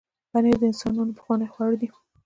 پنېر د انسانانو پخوانی خواړه دی.